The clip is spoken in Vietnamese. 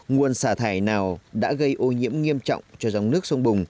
nguồn xả thải nào đã gây ô nhiễm nghiêm trọng cho dòng nước sông bùng